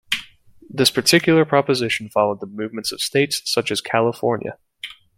This particular proposition followed the movements of states such as California.